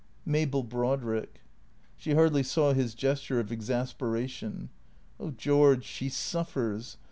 "Mabel Brodrick." She hardly saw his gesture of exasperation. " Oh, George, she suffers.